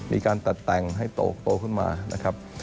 มีการตัดแต่งให้โตขึ้นมานะครับ